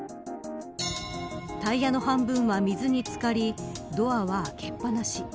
タイヤの半分は水に漬かりドアは開けっ放し。